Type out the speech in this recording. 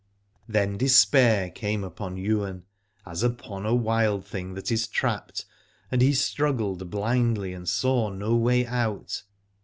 Then despair came upon Ywain, as upon a wild thing that is trapped, and he struggled blindly and saw no way out.